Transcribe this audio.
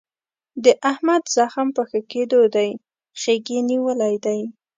د احمد زخم په ښه کېدو دی. خیګ یې نیولی دی.